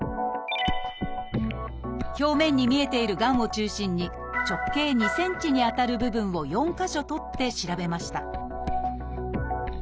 表面に見えているがんを中心に直径２ｃｍにあたる部分を４か所採って調べました